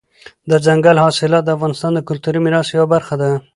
دځنګل حاصلات د افغانستان د کلتوري میراث یوه برخه ده.